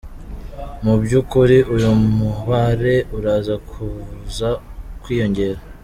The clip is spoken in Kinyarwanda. "Mu by'ukuri uyu mubare uraza kuza kwiyongera.